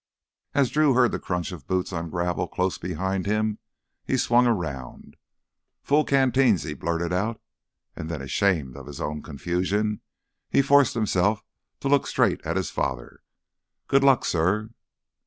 As Drew heard the crunch of boots on gravel close behind him, he swung around. "Full canteens," he blurted out. And then, ashamed of his own confusion, he forced himself to look straight at his father. "Good luck, suh."